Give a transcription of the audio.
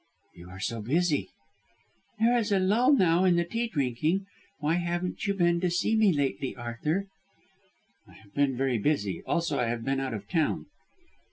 "You are so busy." "There is a lull now in the tea drinking. Why haven't you been to see me lately, Arthur?" "I have been very busy, also I have been out of town."